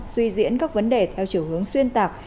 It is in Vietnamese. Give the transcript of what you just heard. suy diễn các vấn đề theo chiều hướng xuyên tạc